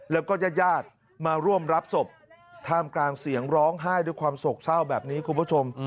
แล้วก็ญาติญาติมาร่วมรับศพท่ามกลางเสียงร้องไห้ด้วยความโศกเศร้าแบบนี้คุณผู้ชม